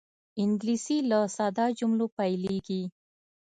انګلیسي له ساده جملو پیلېږي